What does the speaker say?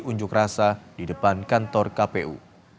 unjuk rasa di depan kantor kpu